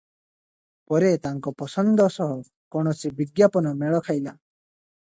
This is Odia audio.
ପରେ ତାଙ୍କ ପସନ୍ଦ ସହ କୌଣସି ବିଜ୍ଞାପନ ମେଳଖାଇଲା ।